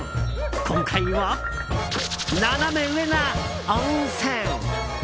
今回は、ナナメ上な温泉。